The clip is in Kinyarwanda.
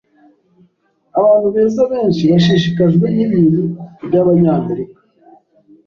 Abantu beza benshi bashishikajwe nibintu byabanyamerika.